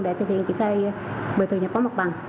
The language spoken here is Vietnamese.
để thực hiện triển khai bồi thường và phóng mặt bằng